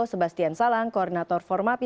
sebastian salang koordinator formapi